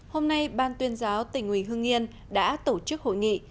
hôm nay ban tuyên giáo tỉnh huy hương nghiên đã tổ chức hội nghị